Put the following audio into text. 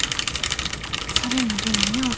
それまでによう